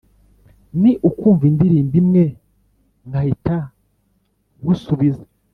ni ukumva indirimbo imwe nkahita nkusubiza